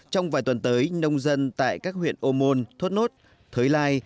trong vài tuần tới nông dân tại các huyện ô môn thốt nốt thới lai